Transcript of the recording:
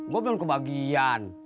gue mau beli ke bagian